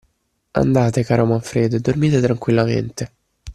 Andate, caro Manfredo, e dormite tranquillamente!